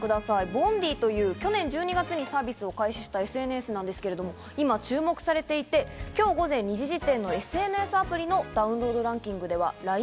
Ｂｏｎｄｅｅという去年１２月にサービスを開始したＳＮＳの画面なんですけど、今、注目されていて、今日午前２時時点のＳＮＳアプリのダウンロードランキングを見るとＬＩ